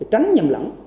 tránh nhầm lẫn